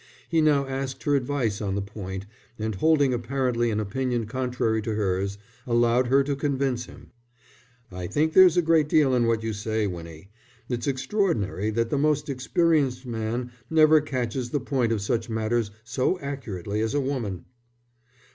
He now asked her advice on the point, and holding apparently an opinion contrary to hers, allowed her to convince him. "I think there's a great deal in what you say, Winnie. It's extraordinary that the most experienced man never catches the point of such matters so accurately as a woman."